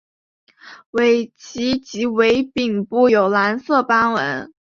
尾鳍及尾柄部有蓝色斑纹。